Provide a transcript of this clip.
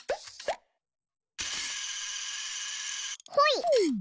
ほい！